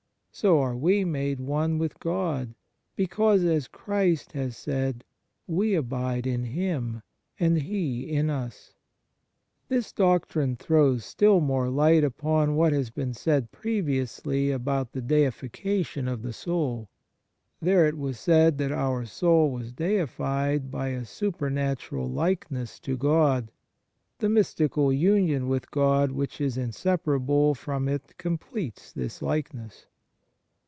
So are we made one with God, because, as Christ has said, we abide in Him and He in us. This doctrine throws still more light upon what has been said previously about the deification of the soul. There it was said that our soul was deified by a super natural likeness to God ; the mystical union with God which is inseparable from it completes this likeness.